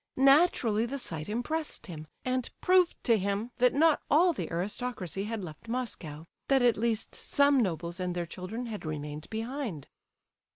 Naturally the sight impressed him, and proved to him that not all the aristocracy had left Moscow; that at least some nobles and their children had remained behind."